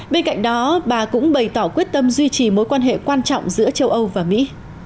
bên cạnh đó bà cũng bày tỏ quyết tâm duy trì mối quan hệ quan trọng giữa châu âu và mỹ